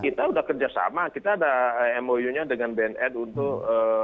kita sudah kerjasama kita ada mou nya dengan bnn untuk